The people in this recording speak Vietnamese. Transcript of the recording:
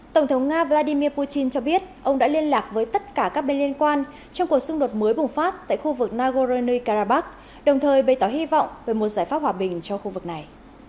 tổng thống nga vladimir putin cho biết ông đã liên lạc với tất cả các bên liên quan trong cuộc xung đột mới bùng phát tại khu vực nagorno karabakh đồng thời bày tỏ hy vọng về một giải pháp hòa bình cho khu vực này